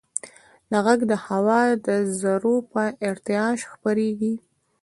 غږ د هوا د ذرّو په ارتعاش خپرېږي.